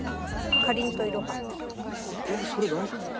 えっそれ大丈夫なの？